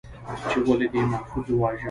، چې ولې دې محفوظ وواژه؟